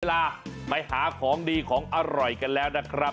เวลาไปหาของดีของอร่อยกันแล้วนะครับ